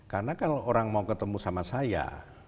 karena kalau orang mau ketemu sama saya